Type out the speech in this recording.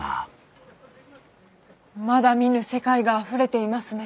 まだ見ぬ世界があふれていますね。